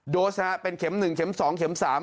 ๖๙๕๓๐๓โดสนะฮะเป็นเข็ม๑เข็ม๒เข็ม๓